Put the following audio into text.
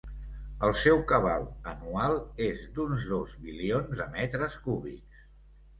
El seu cabal anual és d'uns dos bilions de metres cúbics.